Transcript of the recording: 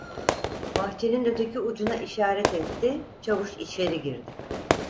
Bahçenin öteki ucuna işaret etti, çavuş içeri girdi.